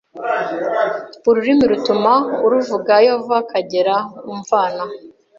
Ururimi rutuma aruvuga iyo ava akagera umvana